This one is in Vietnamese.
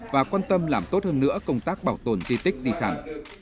và quan tâm làm tốt hơn nữa công tác bảo tồn di tích di sản